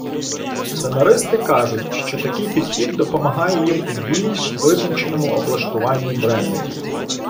Сценаристи кажуть, що такий підхід допомагає їм у більш витонченому облаштуванні бренду.